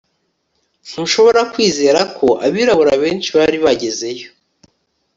Ntushobora kwizera ko abirabura benshi bari bagezeyo